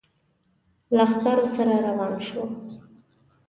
لښکرو سره روان شو.